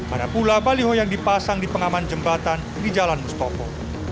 ada pula baliho yang dipasang di pengaman jembatan di jalan mustopo